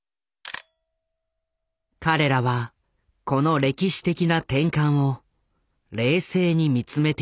彼らはこの歴史的な転換を冷静に見つめていた。